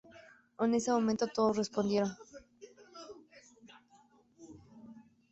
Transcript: En ese momento todos respondieron"".